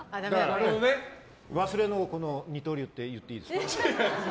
忘れの二刀流と言っていいですかね？